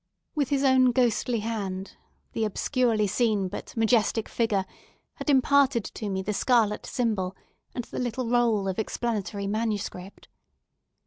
With his own ghostly hand, the obscurely seen, but majestic, figure had imparted to me the scarlet symbol and the little roll of explanatory manuscript.